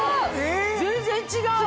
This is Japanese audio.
全然違う！